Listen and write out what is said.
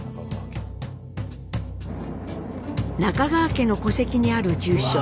中川家の戸籍にある住所